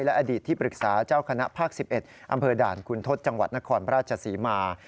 และอดีตที่ปรึกษาเจ้าคณะภาค๑๑อำเภอด่านคุณทศจังหวัดนครราชศรีมา